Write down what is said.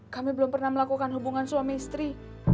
kami belum pernah melakukan hubungan suami istri